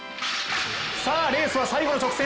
レースは最後の直線。